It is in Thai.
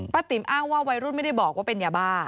ติ๋มอ้างว่าวัยรุ่นไม่ได้บอกว่าเป็นยาบ้า